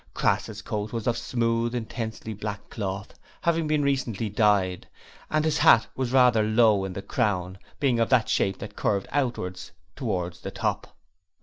Crass's coat was of smooth, intensely black cloth, having been recently dyed, and his hat was rather low in the crown, being of that shape that curved outwards towards the top.